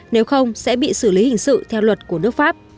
nếu không sẽ bị xử lý hình sự theo luật của nước pháp